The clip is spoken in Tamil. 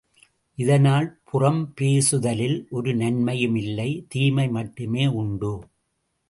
இதனால் புறம் பேசுதலில் ஒரு நன்மையும் இல்லை தீமை மட்டுமே உண்டு.